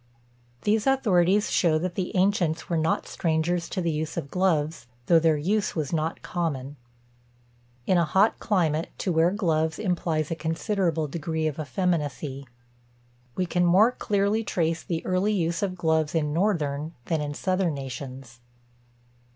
These authorities show that the ancients were not strangers to the use of gloves, though their use was not common. In a hot climate to wear gloves implies a considerable degree of effeminacy. We can more clearly trace the early use of gloves in northern than in southern nations.